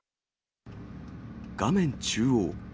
画面中央。